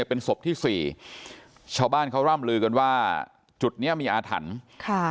เป็นศพที่สี่ชาวบ้านเขาร่ำลือกันว่าจุดเนี้ยมีอาถรรพ์ค่ะ